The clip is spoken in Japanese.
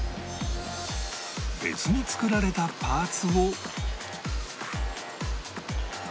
別に作られたパーツを